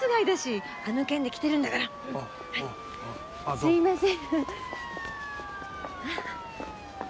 すいません。